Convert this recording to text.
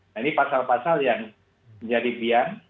nah ini pasal pasal yang menjadi biang